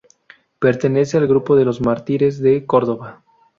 Pertenece al grupo de los Mártires de Córdoba.